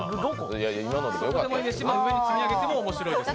上に積み上げても面白いですよ。